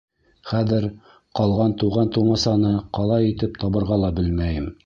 Хәҙер ҡалған туған-тыумасаны ҡалай итеп табырға ла белмәйем.